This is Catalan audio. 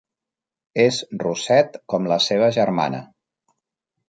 És rosset com la seva germana.